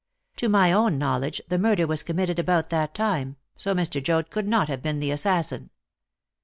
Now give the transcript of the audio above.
To my own knowledge, the murder was committed about that time, so Mr. Joad could not have been the assassin."